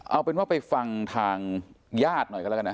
เอาเป็นว่าไปฟังทางญาติหน่อยกันแล้วกันนะ